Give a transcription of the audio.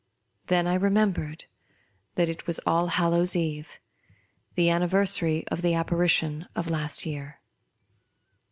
Then I remembered that it was Allhallovv's eve, the anniversary of the appa rition of last year.